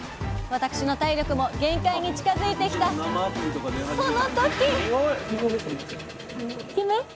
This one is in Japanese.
私の体力も限界に近づいてきたその時！